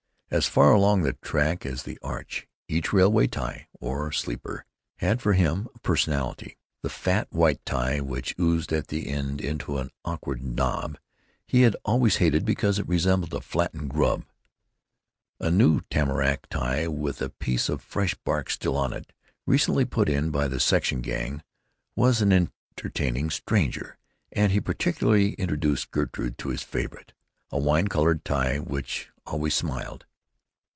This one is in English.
As far along the track as the Arch, each railroad tie (or sleeper) had for him a personality: the fat, white tie, which oozed at the end into an awkward knob, he had always hated because it resembled a flattened grub; a new tamarack tie with a sliver of fresh bark still on it, recently put in by the section gang, was an entertaining stranger; and he particularly introduced Gertie to his favorite, a wine colored tie which always smiled.